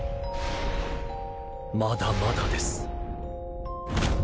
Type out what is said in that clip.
まだまだです